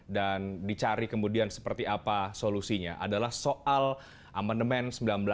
dan dicari kemudian seperti apa solusinya adalah soal amendemen seribu sembilan ratus empat puluh lima